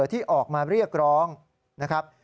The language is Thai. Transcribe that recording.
ที่ออกมาเรียกร้องนะครับ